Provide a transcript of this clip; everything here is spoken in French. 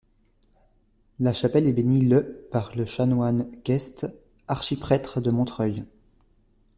La chapelle est bénie le par le chanoine Queste, archiprêtre de Montreuil.